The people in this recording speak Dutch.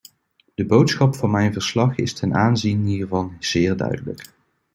De boodschap van mijn verslag is ten aanzien hiervan zeer duidelijk.